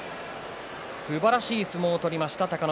すばらしい相撲を取りました。